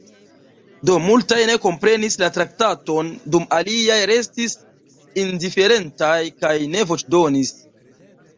Do multaj ne komprenis la traktaton, dum aliaj restis indiferentaj kaj ne voĉdonis.